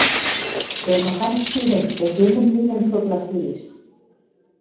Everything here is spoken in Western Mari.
Дӓ махань шӱдӹн – тӹжемӹн нинӹм шотлаш лиэш.